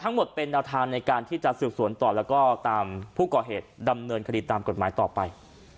ทั้งหมดเป็นแนวทางในการที่จะสืบสวนต่อแล้วก็ตามผู้ก่อเหตุดำเนินคดีตามกฎหมายต่อไป